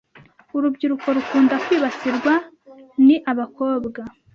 Urubyiruko rukunda kwibasirwa ni abakobwa